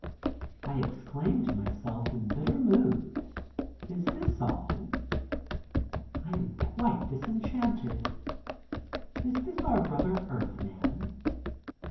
I exclaim to myself in bitter mood, is this all! I am quite disenchanted. Is this our brother earth man?